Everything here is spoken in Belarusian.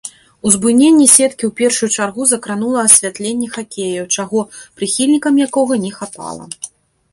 Узбуйненне сеткі ў першую чаргу закранула асвятленне хакею, чаго прыхільнікам якога не хапала.